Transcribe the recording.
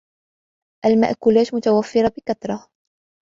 المأكولات متوفرة بكثرة.